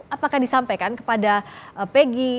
apakah disampaikan kepada pegi